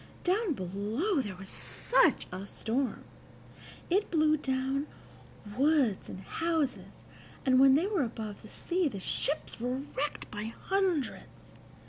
Down below there was such a storm! It blew down woods and houses, and when they were above the sea the ships were wrecked by hundreds.